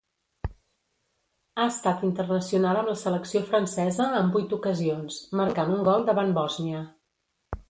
Ha estat internacional amb la selecció francesa en vuit ocasions, marcant un gol davant Bòsnia.